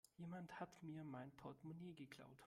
Jemand hat mir mein Portmonee geklaut.